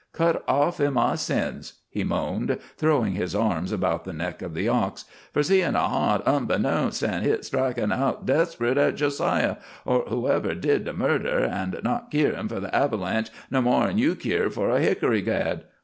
Cut off in my sins," he moaned, throwing his arms about the neck of the ox, "for seein' a harnt unbeknownst, an' hit strikin' out desperit at Jo siah, or whoever did the murder, an' not keerin' for the avalanche no more 'n you keer for a hickory gad.